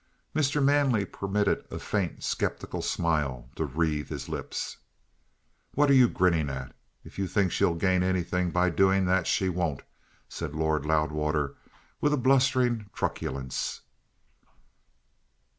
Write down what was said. Mr. Manley permitted a faint, sceptical smile to wreathe his lips. "What are you grinning at? If you think she'll gain anything by doing that, she won't," said Lord Loudwater, with a blustering truculence.